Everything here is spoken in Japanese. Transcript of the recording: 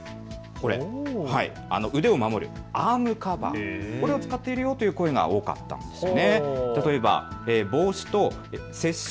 腕を守るアームカバー、これを着けているよという声が多かったんです。